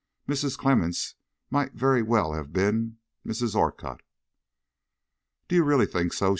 "Mrs. Clemmens might very well have been Mrs. Orcutt." "Do you really think so?"